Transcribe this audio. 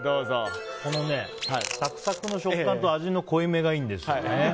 このサクサクの食感と味の濃いめがいいんですよね。